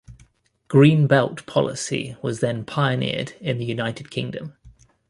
Green belt policy was then pioneered in the United Kingdom.